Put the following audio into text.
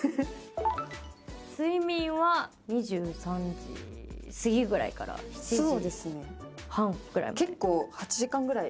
睡眠は２３時過ぎぐらいから結構、８時間ぐらい。